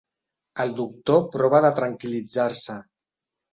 El doctor prova de tranquil·litzar-se.